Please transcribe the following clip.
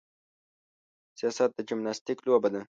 سیاست د جمناستیک لوبه ده.